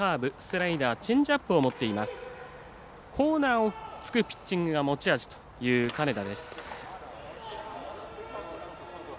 コーナーを突くピッチングが持ち味という金田。